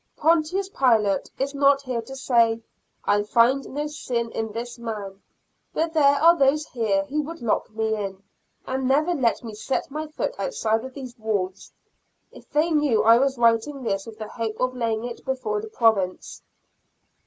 Pontius Pilate is not here to say, "I find no sin in this man," but there are those here who would lock me in, and never let me set my foot outside of these walls, if they knew I was writing this with the hope of laying it before the Province.